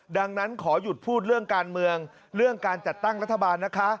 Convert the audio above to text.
ดังนั้นขอหยุดพูดเรื่องการเมืองเรื่องการจัดตั้งรัฐบาลนะคะ